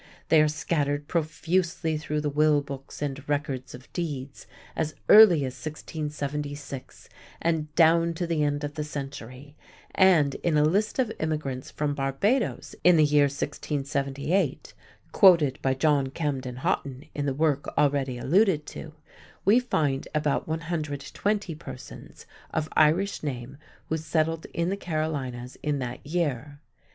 They are scattered profusely through the will books and records of deeds as early as 1676 and down to the end of the century, and in a list of immigrants from Barbados in the year 1678, quoted by John Camden Hotten in the work already alluded to, we find about 120 persons of Irish name who settled in the Carolinas in that year.